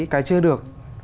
cái chưa được